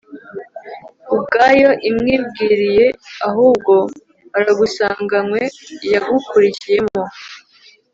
ubwayo imwibwiriye ahubwo aragusanganywe, yagukuriyemo